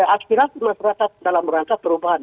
aspirasi masyarakat dalam rangka perubahan